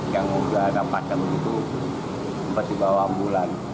yang udah ada paket begitu sempat dibawa ambulan